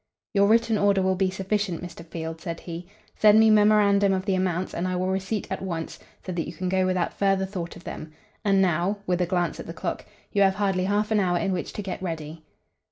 "Your written order will be sufficient, Mr. Field," said he. "Send me memorandum of the amounts and I will receipt at once, so that you can go without further thought of them. And now," with a glance at the clock, "you have hardly half an hour in which to get ready."